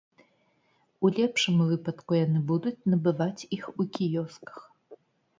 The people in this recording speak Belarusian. У лепшым выпадку яны будуць набываць іх у кіёсках.